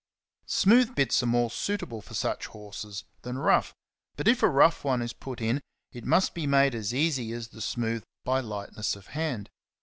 Smooth bits 5° are more suitable for such horses than rough ; but if a rough one is put in, it must be made as easy as the smooth by lightness of hand.